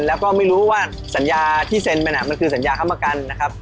แล้วก็ไม่รู้ว่าสัญญาที่เซ็นไปน่ะมันคือสัญญาค้ำประกันนะครับ